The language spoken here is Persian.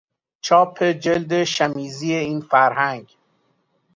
چاپ جلد شمیزی این فرهنگ